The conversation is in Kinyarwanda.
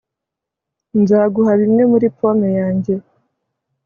Nzaguha bimwe muri pome yanjye